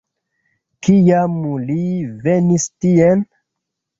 Kiam li venis tien?